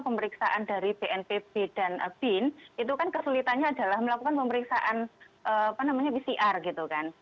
pemeriksaan dari bnpb dan bin itu kan kesulitannya adalah melakukan pemeriksaan pcr gitu kan